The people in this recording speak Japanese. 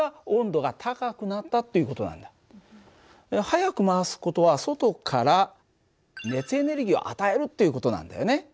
速く回す事は外から熱エネルギーを与えるっていう事なんだよね。